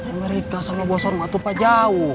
amerika sama bos hormat lupa jauh